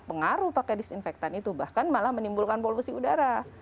pengaruh pakai disinfektan itu bahkan malah menimbulkan polusi udara